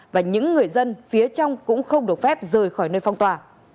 và những người dân phía trong cũng không được phép rời khỏi nơi phong tỏa